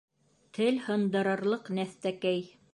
Тел һындырырлыҡ нәҫтәкәй...